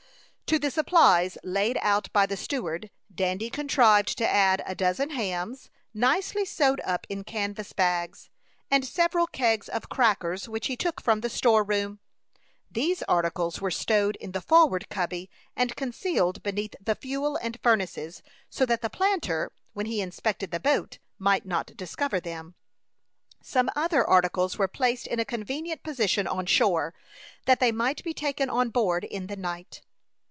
To the supplies laid out by the steward, Dandy contrived to add a dozen hams, nicely sewed up in canvas bags, and several kegs of crackers, which he took from the store room. These articles were stowed in the forward cuddy, and concealed beneath the fuel and furnaces, so that the planter, when he inspected the boat, might not discover them. Some other articles were placed in a convenient position on shore, that they might be taken on board in the night.